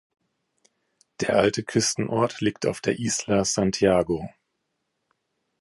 Der alte Küstenort liegt auf der Isla Santiago.